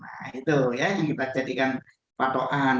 nah itu ya yang kita jadikan patokan